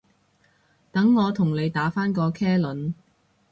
等我同你打返個茄輪